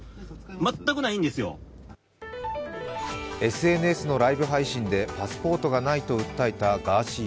ＳＮＳのライブ配信でパスポートがないと訴えたガーシー